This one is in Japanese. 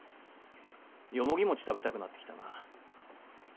ヨモギ餅食べたくなってきたな。